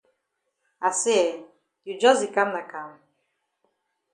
I say eh, you jus di kam na kam?